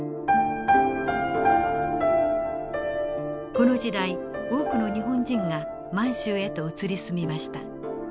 この時代多くの日本人が満州へと移り住みました。